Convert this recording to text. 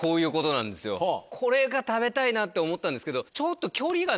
これが食べたいなって思ったんですけど。